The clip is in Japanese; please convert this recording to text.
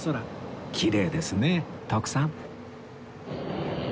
きれいですね徳さん